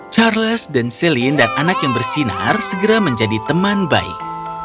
charles dan celine dan anak yang bersinar segera menjadi teman baik